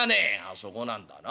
「そこなんだな。